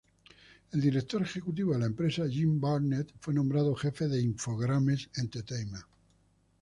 El director ejecutivo de la empresa, Jim Barnett, fue nombrado jefe de Infogrames Entertainment.